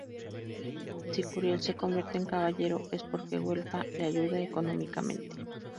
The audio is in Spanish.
Si Curial se convierte en caballero es porque Güelfa le ayuda económicamente.